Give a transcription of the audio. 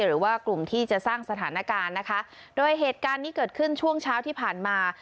หรือว่ากลุ่มที่จะสร้างสถานการณ์นะคะโดยเหตุการณ์นี้เกิดขึ้นช่วงเช้าที่ผ่านมา